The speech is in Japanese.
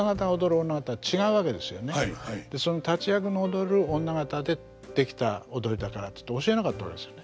その立役の踊る女方で出来た踊りだからって教えなかったわけですよね。